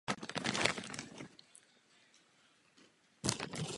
Dvě z těchto zahrad se nacházejí v Bois de Boulogne v západní části Paříže.